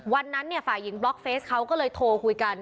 วันนั้นฝ่ายหญิงบล็อกเฟสเขาก็เลยโทรคุยกัน